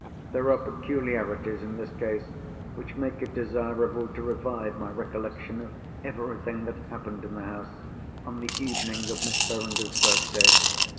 There are peculiarities in this case which make it desirable to revive my recollection of everything that happened in the house, on the evening of Miss Verinder's birthday.